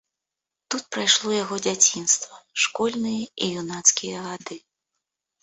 Тут прайшло яго дзяцінства, школьныя і юнацкія гады.